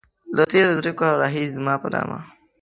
له تېرو دريو کالو راهيسې زما په نامه.